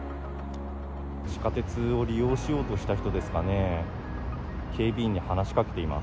地下鉄を利用しようとした人ですかね。